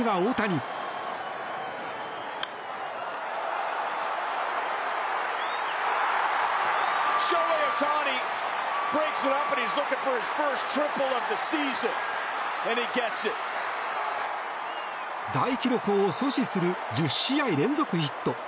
大記録を阻止する１０試合連続ヒット。